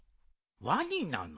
ワニなの？